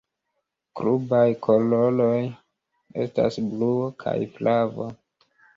Klubaj koloroj estas bluo kaj flavo.